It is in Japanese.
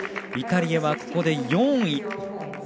イタリアはここで４位。